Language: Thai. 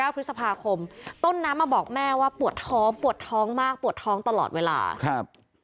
พฤษภาคมต้นน้ำมาบอกแม่ว่าปวดท้องปวดท้องมากปวดท้องตลอดเวลาครับ